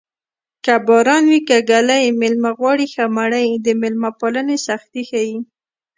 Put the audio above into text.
که باران وي که ږلۍ مېلمه غواړي ښه مړۍ د مېلمه پالنې سختي ښيي